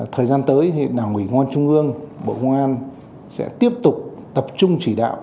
thời gian tới đảng uỷ ngoan trung ương bộ ngoan sẽ tiếp tục tập trung chỉ đạo